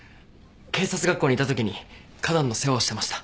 警察学校にいたときに花壇の世話をしてました。